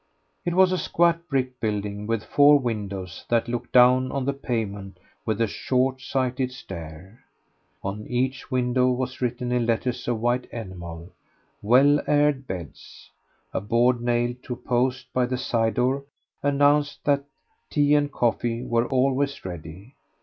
It was a squat brick building with four windows that looked down on the pavement with a short sighted stare. On each window was written in letters of white enamel, "Well aired beds." A board nailed to a post by the side door announced that tea and coffee were always ready.